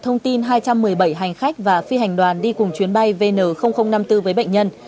thông tin hai trăm một mươi bảy hành khách và phi hành đoàn đi cùng chuyến bay vn năm mươi bốn với bệnh nhân